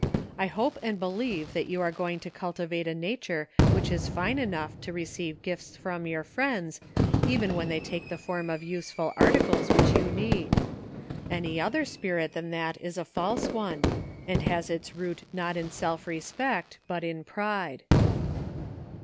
I hope and believe that you are going to cultivate a nature which is fine enough to re 236 BORROWED TROUBLE. ceive gifts from your frieDds even when they take the form of useful articles which you need. Any other spirit than that is a false one, and has its root not in self respect, but in pride."